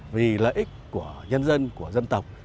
vì lợi ích của nhân dân của dân tộc